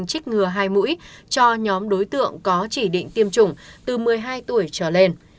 cơ bản trích ngừa hai mũi cho nhóm đối tượng có chỉ định tiêm chủng từ một mươi hai tuổi trở lên